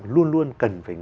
luôn luôn cần phải